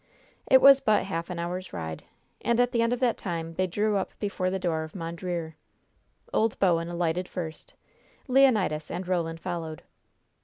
It was but half an hour's ride, and at the end of that time they drew up before the door of Mondreer. Old Bowen alighted first; Leonidas and Roland followed.